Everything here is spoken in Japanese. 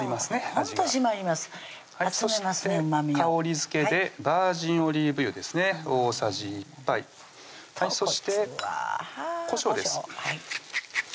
味がほんと締まりますそして香りづけでバージンオリーブ油ですね大さじ１杯そしてこしょうです